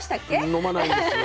飲まないです。